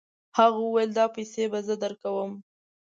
هغه وویل دا پیسې به زه درکوم.